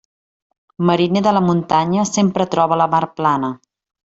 Mariner de la muntanya, sempre troba la mar plana.